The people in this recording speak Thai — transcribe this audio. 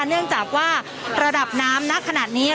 เนื่องจากว่าระดับน้ำณขนาดนี้